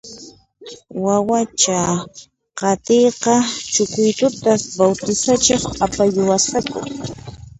Wawacha kaqtiyqa Chucuitutas bawtisachiq apayuwasqaku